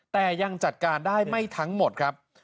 แต่ยังจัดการได้ไม่ทั้งหมดครับ